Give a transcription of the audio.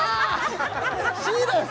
Ｃです